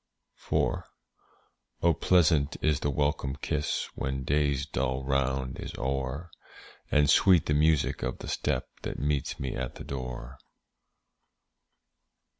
IV. Oh, pleasant is the welcome kiss, When day's dull round is o'er, And sweet the music of the step That meets me at the door.